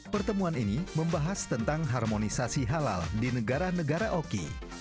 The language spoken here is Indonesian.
pertemuan ini membahas tentang harmonisasi halal di negara negara oki